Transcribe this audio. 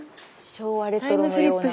昭和レトロのような。